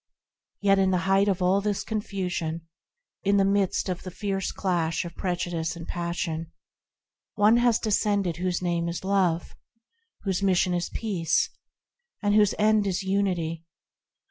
Yet in the height of all this confusion, In the midst of the fierce clash of prejudice and passion, One has descended whose name is Love, Whose mission is Peace, And whose end is Unity.